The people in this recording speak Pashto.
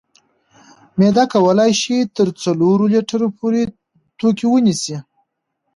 معده کولی شي تر څلورو لیترو پورې توکي ونیسي.